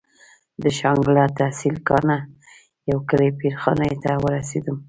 د شانګله تحصيل کاڼه يو کلي پير خاني ته ورسېدم.